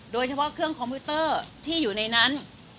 โดยเฉพาะเครื่องคอมพิวเตอร์ที่อยู่ในนั้น